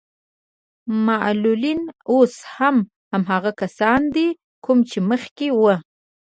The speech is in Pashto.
معلولين اوس هم هماغه کسان دي کوم چې مخکې وو.